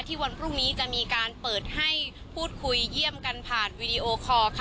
วันพรุ่งนี้จะมีการเปิดให้พูดคุยเยี่ยมกันผ่านวีดีโอคอร์ค่ะ